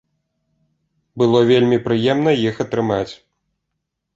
Было вельмі прыемна іх атрымаць.